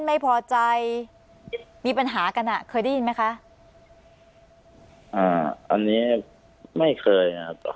ไม่พอใจมีปัญหากันอ่ะเคยได้ยินไหมคะอ่าอันนี้ไม่เคยครับ